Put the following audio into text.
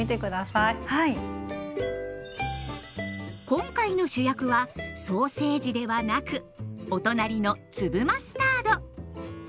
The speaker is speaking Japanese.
今回の主役はソーセージではなくお隣の粒マスタード。